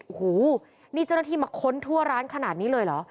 โอ้โหนี่เจ้าหน้าที่มาค้นทั่วร้านขนาดนี้เลยเหรอ